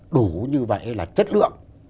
đủ như vậy là chất lượng